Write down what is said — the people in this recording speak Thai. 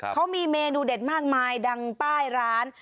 เขามีเมนูเด็ดมากมายดังป้ายร้าน